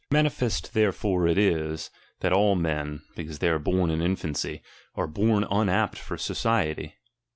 Manifest therefore it is, that all men, because they are born in infancy, are born unapt for society.